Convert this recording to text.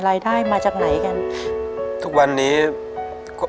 รายได้มาจากไหนกันทุกวันนี้ก็